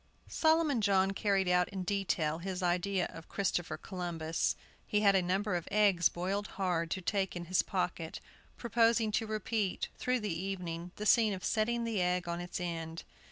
Solomon John carried out in detail his idea of Christopher Columbus. He had a number of eggs boiled hard to take in his pocket, proposing to repeat, through the evening, the scene of setting the egg on its end.